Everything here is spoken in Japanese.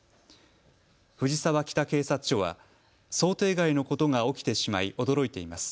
藤沢北警察署は想定外のことが起きてしまい驚いています。